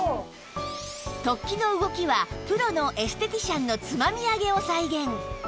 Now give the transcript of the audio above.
突起の動きはプロのエステティシャンのつまみあげを再現